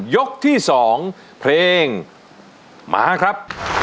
ยกที่๒เพลงมาครับ